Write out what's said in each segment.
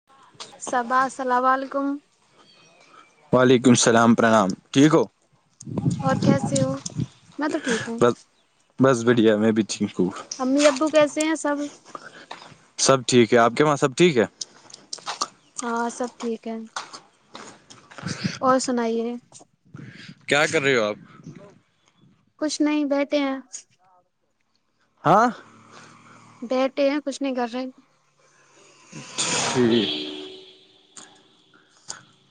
ہ [inaudible] صبا السلام علیکم وعلیکم السلام پرنام ٹھیک ہو اور کیسے ہو میں تو ٹھیک ہوں بس بس بڑھیا میں بھی ٹھیک ہوں امی ابو کیسے ہیں سب سب ٹھیک ہے آپ کے وہاں سب ٹھیک ہے ہاں سب ٹھیک ہے اور سنائیے کیا کر رہے ہو آپ کچھ نہیں بیٹھے ہیں ہاں بیٹھے ہیں کچھ نہیں کر رہے ج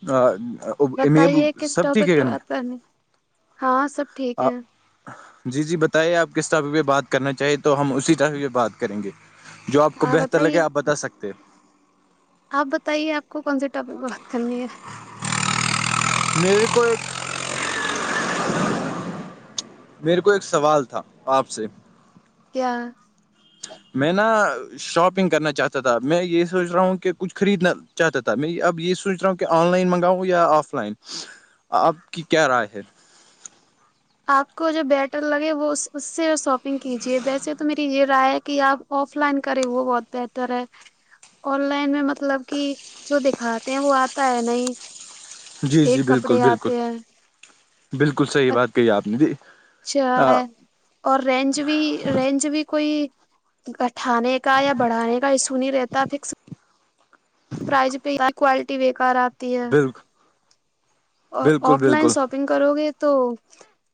ہ [unintelligible] بتائیے کس ٹاپک پہ بات کرنی ہاں سب ٹھیک ہے جی جی بتائیے آپ کس طٹح پہ بات کرنا چاہیے تو ہم اسی ٹاپک پہ بات کریں گے جو آپ کو ہاں بہتر لگے بتائیے آپ بتا سکتے آپ بتائیے آپ کو کون سے ٹاپک میں بات کرنی ہے میرے کو ایک میرے کو ایک سوال تھا آپ سے کیا میں نا شاپنگ کرنا چاہتا تھا میں یہ سوچ رہا ہوں کہ کچھ خریدنا چاہتا تھا میں اب یہ سوچ رہا ہوں کہ آن لائن منگاؤں یا آف لائن آپ کی کیا رائے ہے آپ کو جو بیٹر لگے وہ اس سے شاپنگ کیجیے ویسے تو میری یہ رائے کہ آپ آف لائن کریں وہ بہت بہتر ہے آن لائن میں مطلب کہ جو دکھاتے ہیں وہ آتا ہے نہیں جی جی فیک بالکل کپڑے بالکل آتے ہیں بالکل صحیح بات کہی ہے آپ نے ج اچھا اور رینج بھی رینج بھی کوئی کٹھانے کا یا بڑھانے کا ایشو نہیں رہتا فکس پرائز پہ کوالٹی بےیکار آتی ہے بالکل اور بالکل آف لائن بالکل شاپنگ کرو گے تو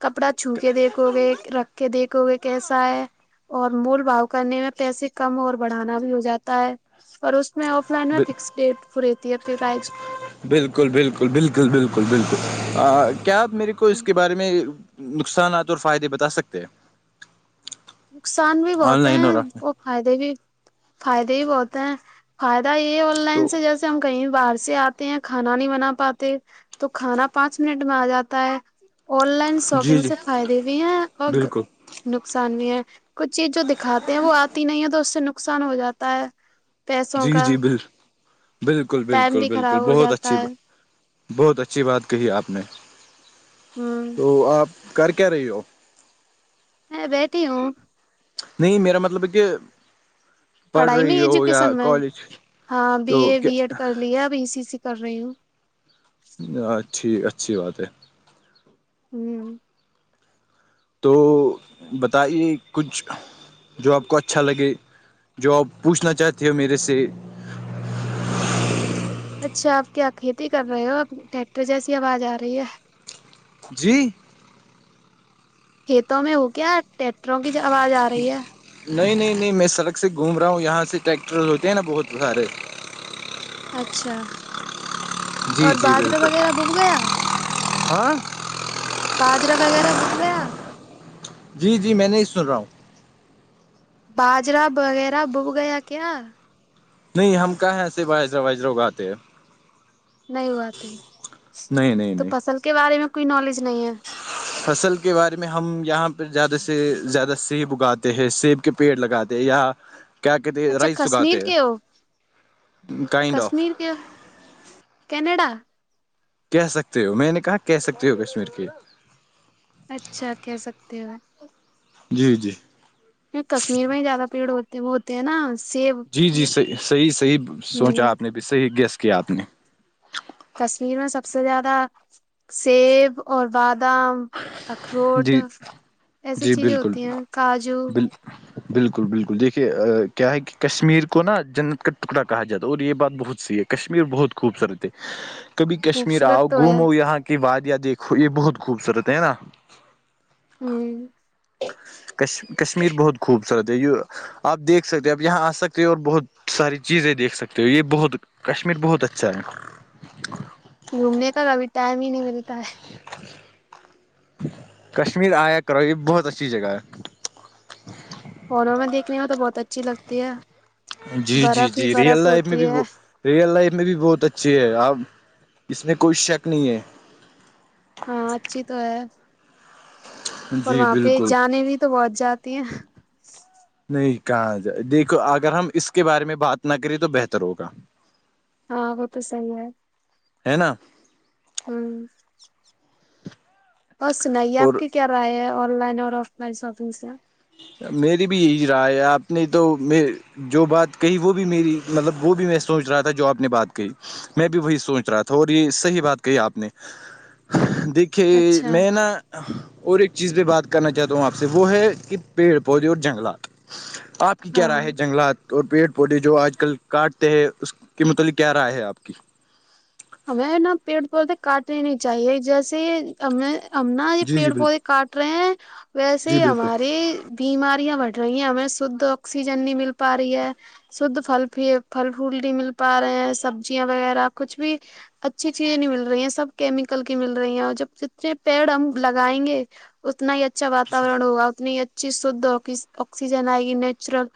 کپڑا چھو کے دیکھو گے رکھ کے دیکھو گے کیسا ہے اور مول بھؤ کرنے میں پیسے کم اور بڑھانا بھی ہو جاتا ہے اور اس میں آف لائن میں بالکل فکس ڈیٹ پ رہیتی ہے پھر رائز بالکل بالکل بالکل بالکل بالکل کیا آپ میرے کو اس کے بارے میں نقصانات اور فائدے بتا سکتے ہیں نقصان بھی آن بہت لائن ہیں اور آف لائن وہ فائدے بھی فائدے ہی بہتے ہیں فائدہ یہ آن لائن تو سے جیسے ہم کہیں باہر سے آتے ہیں کھانا نہیں بنا پاتے تو کھانا پانچ منٹ میں آ جاتا ہے آن لائن جی شاپنگ جی سے فائدے بھی ہیں اور بالکل نقصان بھی ہے کچھ چیز جو دکھاتے ہیں وہ آتی نہیں ہے تو اس سے نقصان ہو جاتا ہے پیسوں جی کا جی بال بالکل ٹائم بالکل بھی بالکل خراب ہو بہت جاتا اچھی ہے بات بہت اچھی بات کہی آپ نے ہوں تو آپ کر کیا رہی ہو میں بتی ہوں نہیں میرا مطلب کہ پڑھ پڑھائی میں رہی ہو یا ایجوکیشن میں کالج ہاں بی تو اے بی ایڈ کر ل اب ای سی سی کر رہی ہوں ٹھیک اچھی بات ہے ہوں تو بتائیے کچھ جو آپ کو اچھا لگے جو آپ پوچھنا چاہتے ہو میرے سے اچھا آپ کیا کھیتی کر رہے ہو اب ٹریکٹر جیسی آواز آ رہی ہے جی کھیتوں میں ہو کیا ٹیکٹروں کی آواز آ رہی ہے نہیں نہیں نہیں میں سڑک سے گھوم رہا ہوں یہاں سے ٹریکٹر ہوتے ہیں نا بہت سارے اچھا جی اور جی بادرو بالکل وغیرہ بک گیا ہاں باجرا وغیرہ بب گیا جی جی میں نہیں سن رہا ہوں باجرا وغیرہ بب گیا کیا نہیں ہم کہاں ہیں ایسے وارا وائجرا اگاتے نہیں ہواتے نہیں نہیں تو نہیں فصل کے بارے میں کوئی نالج نہیں ہے فصل کے بارے میں ہم یہاں پہ زیادہ سے زیادہ سیب اگاتے ہیں سیب کے پیڑ لگاتے یا کیا کہتے اچھا رائس سکھاتے کشمیر کے ہو کائنڈ آف کشمیر کینیڈا کہہ سکتے ہو میں نے کہا کہہ سکتے ہو کشمیر کے اچھا کہ سکتے ہو جی جی کی کشمیر میں ہی زیادہ پیڑ ہوتے وہ ہوتے ہیں نا سیب جی جی صحیح صحیح صحیح ہ سوچا آپ نے بھی صحیح گیسٹ کیا آپ نے کشمیر میں سب سے زیادہ سیب اور بادام اخروٹ جی ایسی جی چیزیں بالکل ہوتی ہیں کاجو بال بالکل بالکل دیکھیے کیا ہے کہ کشمیر کو نا جنت کا ٹکڑا کہا جاتا ہے اور یہ بات بہت صی ہے کشمیر بہت خوبصورت ہے [inaudible] کبھی کشمیر آؤ خوبصورت تو ہے گھومو یہاں کی وادیا دیکھو یہ بہت خوبصورت ہے ہے نا ہوں کش کشمیر بہت خوبصورت ہے یہ آپ دیکھ سکتے ہو اپ یہاں آ سکتے ہو اور بہت ساری چیزیں دیکھ سکتے ہو یہ بہت کشمیر بہت اچھسائ گھومنے کا کبھی ٹائم ہی نہیں ملتا ہے کشمیر آیا کرو یہ بہت اچھی جگہ ہے ہنو میں دیکھنے میں تو بہت اچھی لگتی ہے جی جی برف ہی جی ریئل برف لائف میں ہوتی بھی ہے وہ ریئل لائف میں بھی بہت اچھی ہے اپ اس میں کوئی شک نہیں ہے ہاں اچھی تو ہے اور جی وہاں پہ بالکل جانے بھی تو بہت جاتی ہیں نہیں کہاں جائے دیکھو اگر ہم اس کے بارے میں بات نہ کریں تو بہتر ہوگا ہاں وہ توسند ہے ہے نا ہوں اور سنائیے آپ اور کے کیا رہا ہے آن لائن اور آف لائن شاپنگ سے میری بھی یہی رائے ہے آپ نے تو میں جو بات کہی وہ بھی میری مطلب وہ بھی میں سوچ رہا تھا جو آپ نے بات کہی میں بھی وہی سوچ رہا تھا اور یہ صحیح بات کہی آپ نے دیکھیے کہ اچھا میں نا اور ایک چیز پہ بات کرنا چاہتا ہوں آپ سے وہ ہے کہ پیڑ پودے اور جنگلات آپ کی کیا ہاں رائے ہے جنگلات اور پیڑ پودے جو آج کل کاٹتے ہیں اس کے متعلق کیا رائے ہے آپ کی ہمیں نا پیڑ پودے کاٹنے نہیں چاہیے جیسے ہمیں ہم نا یہ جی جی پیڑ بالکل پودے کاٹ رہے ہیں ویسے جی ہی بالکل ہماری بیماریاں بڑھ رہی ہیں ہمیں شدھ آکسیجن نہیں مل پا رہی ہے شدھ پھل پ پھل پھول بھی مل پا رہے ہیں سبزیاں وغیرہ کچھ بھی اچھی چیزیں نہیں مل رہی ہیں سب کیمیکل کی مل رہی ہیں اور جب جتنے پیڑ ہم لگائیں گے اتنا ہی اچھا واورن ہوگا اتنی ہی اچھی شھ آکسیجن آئے گی نیچرل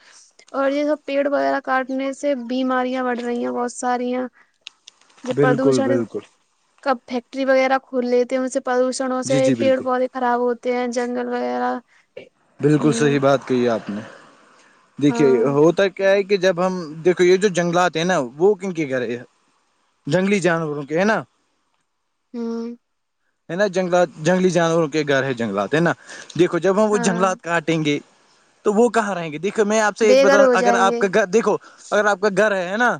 اور یہ س پیڑ وغیرہ کاٹنے سے بیماریاں بڑھ رہی ہیں بہت ساریاں جب بالکل پردوشن بالکل کب فیکٹری وغیرہ کھول لیے تھے ان سے پردوشن چڑوں سے جی جی پیڑ بالکل پودے خراب ہوتے ہیں جنگل وغیرہ ہ بالکل صحیح بات کہی ہے آپ نے دیکھیے ہاں ہوتا کیا ہے کہ جب ہم دیکھو یہ جو جنگلات ہیں نا وہ کن کے گے جنگلی جانوروں کے ہے نا ہوں ہےا جنگلات جنگلی جانوروں کے گھر ہے جنگات ہے نا دیکھو جب ہم وہ ہاں جنگلات کاٹیں گے تو وہ کہاں رہیں گے دیکھ میں آپ سے ایک بےگھر بتا ہو اگر جائیں آپ گے کا گھر دیکھو اگر آپ کا گھر ہے ہے نا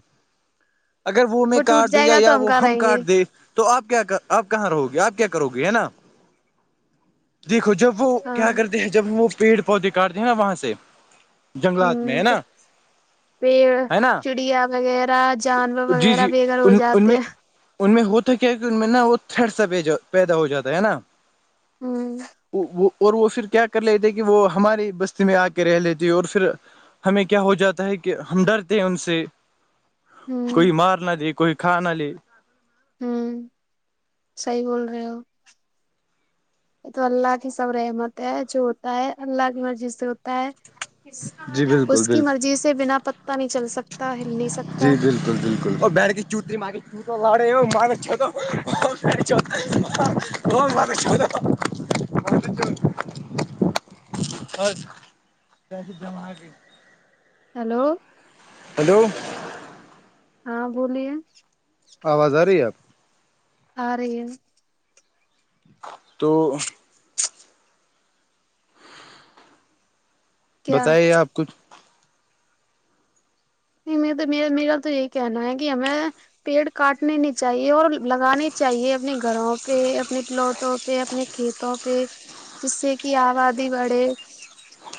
اگر وہ میں ٹوٹ کاٹ دوں جائے یا گا یا تو وہ کہاں ہم رہیں گے کاٹ دیں تو آپ کیا آپ کہاں رہو گے آپ کیا کرو گی ہے نا دیکھو جب وہ ہاں کیا کرتے ہیں جب وہ پیڑ پودے کاٹتے ہیں نا وہاں سے جنگات میں ہے ہ تو نا پیڑ ہے نا چڑیا وغیرہ جانور جی وغیرہ جی بغیر ہو ان ان جاتے میں ہیں ان میں ہوتا کیا کہ ان میں نا وہ تھر سا پیدا ہو جاتا ہے نا ہ وہ اور وہ پھر کیا کر لی تھے کہ وہ ہماری بستی میں آ کے رہ لیتے اور پھر ہمیں کیا ہو جاتا ہے کہ ہم ڈرتے ہیں ان سے کوئی ہ مار نہ دے کوئی کھ نہ دے ہوں صحی بول رہے ہو یہ تو اللہ کی سب رحمت ہے جو ہوتا ہے اللہ کی مرضی سے ہوتا ہے جی بالکل اس کی بالکل مرضی سے بنا پتا نہیں چل سکتا ہل نہیں سکتا جی بالکل بالکل اور بیڑ کی چوتری مانگ لڑے مار دو مان دو کیا دماغ ہیلو ہیلو ہاں بولیے آواز آ رہی ہے آپ آ رہے تو کیا بتائیے آپ کچھ نہیں میں تو م میرا تو یہی کہنا ہے کہ ہمیں پیڑ کاٹنے نہیں چاہیے اور لگانے چاہیے اپنے گھروں پہ اپنے پلاٹوں پہ اپنے کھیت پہ جس سے کہ آبادی بڑھے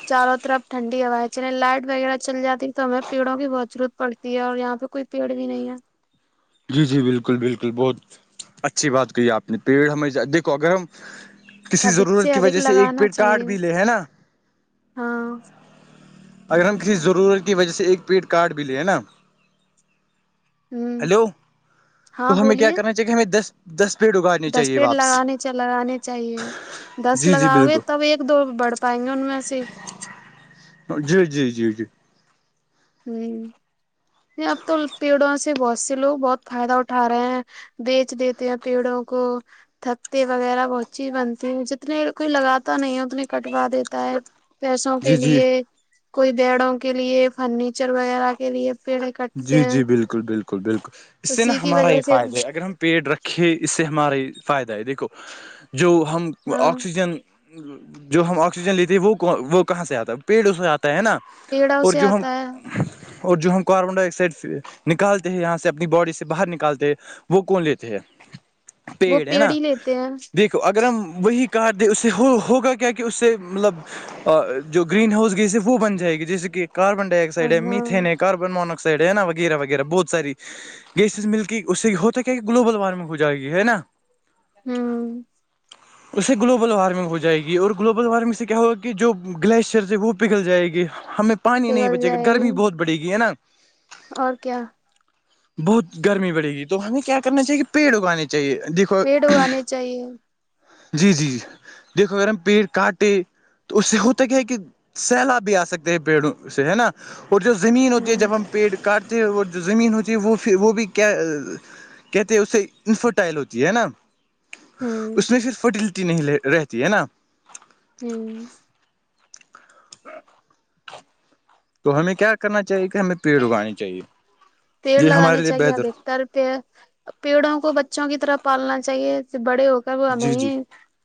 چاروں طرف ٹھنڈی ہوا ہے چل لائٹ وغیرہ چل جاتی تو ہمیں پیڑوں بھی بہت ضرورت پڑتی ہے اور یہاں پہ کوئی پیڑ بھی نہیں ہے جی جی بالکل بالکل بہت اچھی بات کہی آپ نے پیڑ ہمیں دیکھو اگر ہم کسی ادھک ضرورت کی ادھک وجہ سے ایک لگانا پیٹ کاڈ چاہیے بھی لے ہے نا ہاں اگر ہم کسی ضرورت کی وجہ سے ایک پیٹ کاڈ بھی لے ہیں نا ہوں ہیلو ہاں تو ہمیں کیا بولیے کرنا چاہیے ہمیں دس دس پیڑ اگا دس پیٹ لگانے لگانے چاہیے دس جی جی لگاؤ گے تب بالکل ایک دو بڑ بائ میں جی جی جی جی ہوں یہ اب تو پیڑوں سے بہت سے لوگ بہت فائدہ اٹھا رہے ہیں بیچ دیتے ہیں پیڑوں کو تھتے وغیرہ بہت چیز بنتی ہیں جتنے کوئی لگاتا نہیں ہے اتنے کٹوا دیتا ہے پیسوں جی کے جی لیے کوئی بیڑوں کے لیے فرنیچر وغیرہ کے لیے پیڑ کٹتے جی ہیں جی بالکل بالکل بالکل اس سے نا اسی کی ہمارا وجہ یہ سے فائدہ ہے اگر ہم پیٹ رکھے اس سے ہمارا فائدہ ہے دیکھو جو ہم ہاں آکسیجن جو ہم آکسیجن لیتے وہ وہ کہاں سے آتا ہے پیڑ اس سے آتا ہے نا پیڑوں اور سے جو ہم آتا ہے اور جو ہم کاربن ڈائی آکسائڈ نکالتے ہیں یہاں سے اپنی باڈی سے باہر نکالتے ہیں وہ کون لیتے ہے وہ پیڑ ہے نا ہی لیتے ہیں دیک کہ اگر ہم وہی کار دیں اس سے ہو ہوگا کیا کہ اس سے مطلب اور جو گرین ہاؤس گ صرف وہ بن جائے گی جیسے کہ کاربن ڈائی ہاں آکسائڈ ہے میتین ہے کاربن مونکسائڈ ہے نا وغیرہ وغیرہ بہت ساری گیسز ملک اس سے ہوتا کیا کہ گلوبل وارمنگ ہو جائے گی ہے نا ہاں اس سے گلوبل وارمنگ ہو جائے گی اور گلوبل وارمنگ سے کیا ہوگا کہ جو گلیشئرس ہیں وہ پگھل جائے گی ہمیں پانی نہیں پگل بچے گا جائے گی گرمی بہت بڑے گی ہے نا اور کیا بہت گرمی پڑے گی تو ہمیں کیا کرنا چاہیے پیڑ اگانے چاہیے دیکھو پیڑ اگانے چاہیے جی جی جی دیکھو ارم پیٹ کٹ ہے تو اس سے ہوتا کیا ہے کہ سیلاب بھی آ سکتے ہیں پیڑوں سے ہے نا اور جو زمین ہ ہوتی جب ہم پیڑ کاٹتے ہیں وہ جو زمین ہوتی ہے وہ وہ بھی کیا کہتے ہیں اسے انفرٹائل ہوتی ہے نا ہ اس میں پھر فرٹیلٹی نہیں رہتی ہے نا ہوں تو ہمیں کیا کرنا چاہیے کہ ہمیں پیڑ اگانی چاہیے جی ہمارے لیے بہتر تر پیڑوں کو بچوں کی طرف پالنا چاہیے بڑے ہو کر وہ جی جی نہیں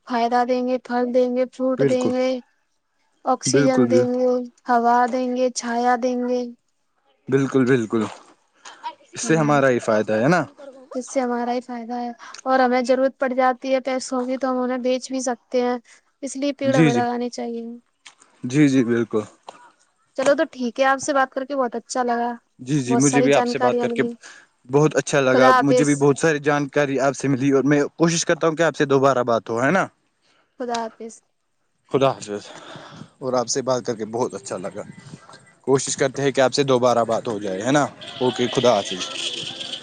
فائدہ دیں گے پھل دیں گے فروٹ بالکل دیں گے آکسیجن بالکل دیں گے ہوا دیں گے چھایا دیں گے بالکل بالکل اس سے ہمارا ہی فائدہ ہے نا جس سے ہمارا ہی فائدہ ہے اور ہمیں ضرورت پڑ جاتی ہے پیسوں کی تو ہم انہیں بیچ بھی سکتے ہیں اس لیے پیڑا جی میں جی لگانے چاہیے جی جی بالکل چلو تو ٹھیک ہے آپ سے بات کر کے بہت اچھا لگا جی جی بہت مجھے ساری بھی آپ سے بات جانکاریاں کر کے ملی بہت اچھا لگا خدا مجھے بھی حافظ بہت ساری جانکاری آپ سے ملی اور میں کوشش کرتا ہوں کہ آپ سے دوبارہ بات ہو ہے نا خدا حافظ خدا حافظ اور آپ سے بات کر کے بہت اچھا لگا کوشش کرتے ہیں کہ آپ سے دوبارہ بات ہو جائے ہے نا اوکے خدا حافظ